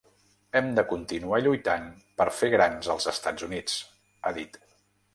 Hem de continuar lluitant per fer grans els Estats Units, ha dit.